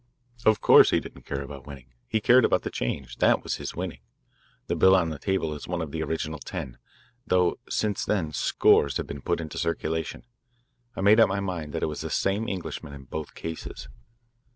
Of course he didn't care about winning. He cared about the change that was his winning. The bill on the table is one of the original ten, though since then scores have been put into circulation. I made up my mind that it was the same Englishman in both cases.